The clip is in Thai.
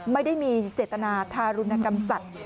ไม่ได้มีเจตนาทารุณกรรมสัตว์